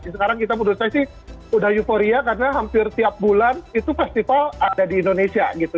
sekarang kita menurut saya sih sudah euforia karena hampir tiap bulan itu festival ada di indonesia gitu